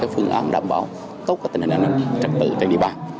phương án đảm bảo tốt tình hình an ninh trật tự trên địa bàn